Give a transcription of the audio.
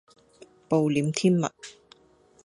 暴殄天物